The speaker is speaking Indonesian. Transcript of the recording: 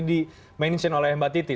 dimention oleh mbak titi